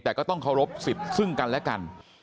แต่ก็ต้องเคารพสิทธิ์ซึ่งกันและกัน